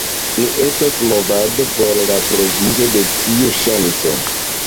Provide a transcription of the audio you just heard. Ni estas movado por la provizo de tiu ŝanco.